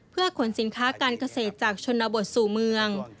เพื่อขนสินค้าการเกษตรจากชนบทสู่เมือง